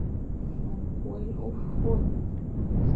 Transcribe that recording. Ñkwel ô fôn.